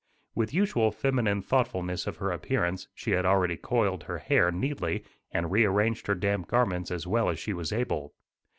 With usual feminine thoughtfulness of her appearance she had already coiled her hair neatly and rearranged her damp garments as well as she was able.